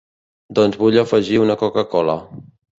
Doncs vull afegir una Coca-Cola.